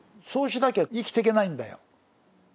そうしなきゃ生きていけないんだよ。